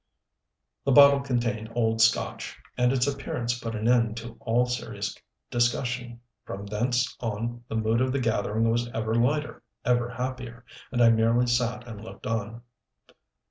The bottle contained old Scotch, and its appearance put an end to all serious discussion. From thence on the mood of the gathering was ever lighter, ever happier; and I merely sat and looked on.